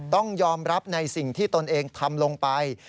ต้องยอมรับในสิ่งที่ตนเองทำลงไป